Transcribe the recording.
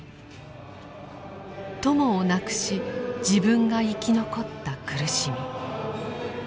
友を亡くし自分が生き残った苦しみ。